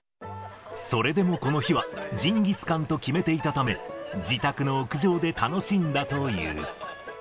それでもこの日はジンギスカンと決めていたため、自宅の屋上で楽しんだという。